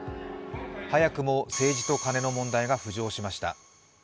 早くも政治とカネの問題が浮上しました。